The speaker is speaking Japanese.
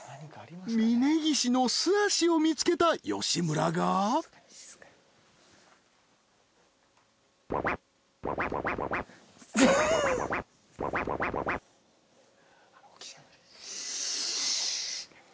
［峯岸の素足を見つけた吉村が］し。